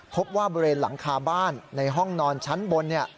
พบว่าบริเวณหลังคาบ้านในห้องนอนชั้นบน